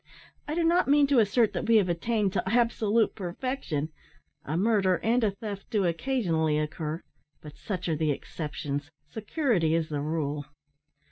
I do not mean to assert that we have attained to absolute perfection a murder and a theft do occasionally occur, but such are the exceptions, security is the rule."